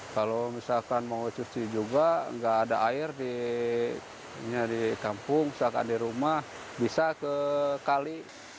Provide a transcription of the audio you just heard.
kalau misalkan mau cuci juga nggak ada airnya di kampung misalkan di rumah bisa ke kali